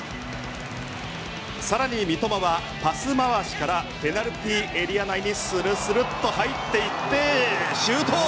さらに三笘はパス回しからペナルティーエリア内にスルスルッと入ってシュート。